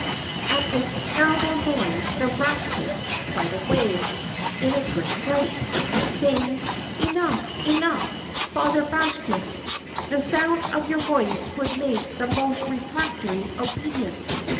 and at this terrible noise the Rakshas fled away in a great fright, saying: "Enough, enough, father Bakshas! the sound of your voice would make the most refractory obedient."